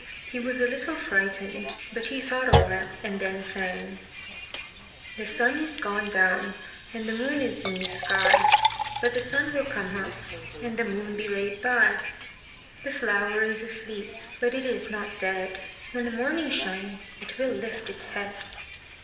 He was a little frightened, but he thought a while, and then sang: The sun is gone down, And the moon's in the sky; But the sun will come up, And the moon be laid by. The flower is asleep But it is not dead; When the morning shines, It will lift its head.